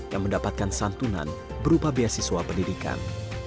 yang mendapatkan santunan berupa beasiswa pendidikan